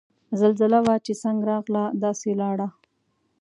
زلزله وه چه څنګ راغله داسے لاړه